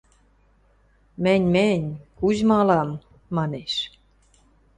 – Мӹнь, мӹнь – Кузьма ылам, – манеш.